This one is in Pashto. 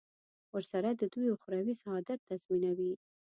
ورسره د دوی اخروي سعادت تضمینوي.